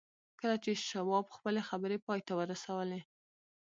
کله چې شواب خپلې خبرې پای ته ورسولې